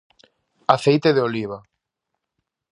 Aceite de oliva.